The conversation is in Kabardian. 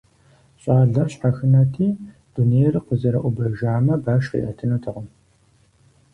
ЩӀалэр щхьэхынэти, дунейр къызэрыӀубэжамэ, баш къиӀэтынутэкъым.